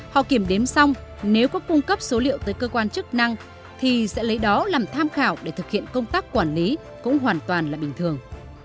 họ kiểm đếm xong nếu có cung cấp số liệu tới cơ quan chức năng thì sẽ lấy đó làm tham khảo để thực hiện công tác quản lý cũng hoàn toàn là bình thường